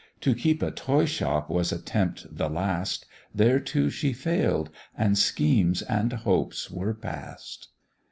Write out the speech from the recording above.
To keep a toy shop was attempt the last, There too she fail'd, and schemes and hopes were past.